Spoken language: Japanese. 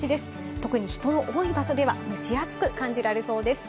特に人の多い場所では蒸し暑く感じられそうです。